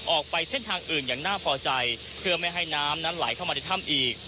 ออกไปเส้นทางอื่นอย่างน่าพอใจเพื่อไม่ให้น้ำนั้นไหลเข้ามาในถ้ำอีก